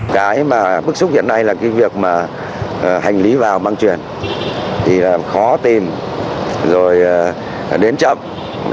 cái mà bức xúc hiện nay là cái việc mà hành lý vào băng chuyển thì là khó tìm rồi đến chậm